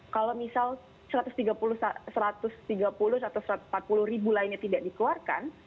kalau misal satu ratus tiga puluh satu ratus empat puluh ribu lainnya tidak dikeluarkan